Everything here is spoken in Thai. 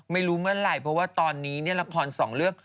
ไม่รู้เมื่อไหร่เพราะว่าตอนนี้ละครสองเรื่อง